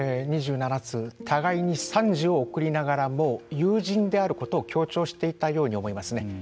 ２７通、お互いに賛辞を送りながらも友人であることを強調していたように思いますね。